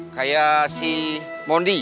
kayak si mundi